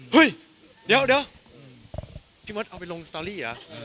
เฮ้ยเดี๋ยวพี่มดเอาไปลงสตอรี่เหรอ